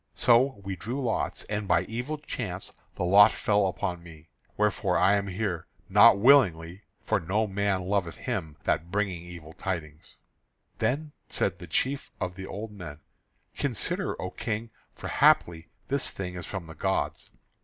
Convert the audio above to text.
So we drew lots, and by evil chance the lot fell upon me. Wherefore I am here, not willingly, for no man loveth him that bringing evil tidings." Then said the chief of the old men: "Consider, O King, for haply this thing is from the gods."